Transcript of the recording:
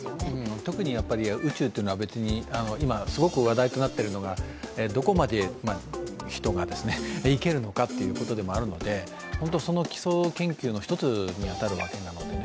特に宇宙というのは別に今、すごく話題となっているのがどこまで人が行けるのかということでもあるので、その基礎研究の１つに当たるわけなんですね。